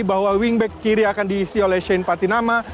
bahwa wingback kiri akan diisi oleh shane patinama